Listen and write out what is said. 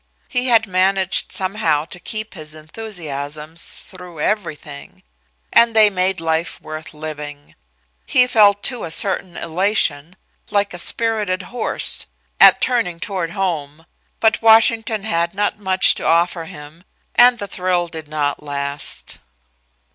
He had managed somehow to keep his enthusiasms through everything and they made life worth living. He felt too a certain elation like a spirited horse at turning toward home, but Washington had not much to offer him, and the thrill did not last.